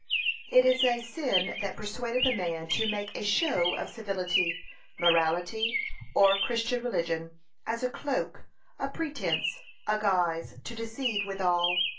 It is a sin that persuadeth a man to make a show of civility, morality, or Christian religion, as a cloak, a pretence, a guise to deceive withal.